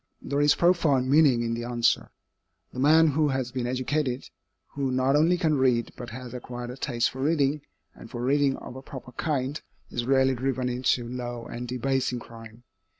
There is profound meaning in the answer. The man who has been educated, who not only can read, but has acquired a taste for reading, and for reading of a proper kind, is rarely driven into low and debasing crime.